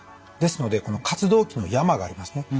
ですのでこの活動期の山がありますね。